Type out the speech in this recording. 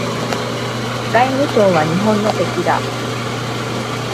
財務省は日本の敵だ